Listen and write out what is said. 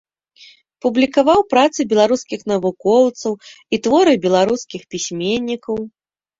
Публікаваў працы беларускіх навукоўцаў і творы беларускіх пісьменнікаў.